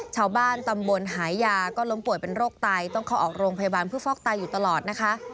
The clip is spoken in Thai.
ชาวบ้านตำบลหายาก็ล้มป่วยเป็นโรคไตต้องเข้าออกโรงพยาบาลเพื่อฟอกไตอยู่ตลอดนะคะ